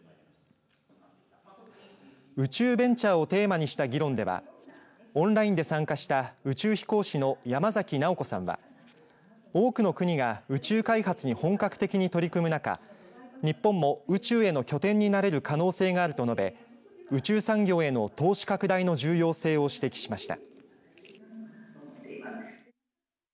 宇宙ベンチャーをテーマにした議論ではオンラインで参加した宇宙飛行士の山崎直子さんは多くの国が宇宙開発に本格的に取り組む中日本も宇宙への拠点になれる可能性があると述べ宇宙産業への投資拡大の重要性を指摘しました。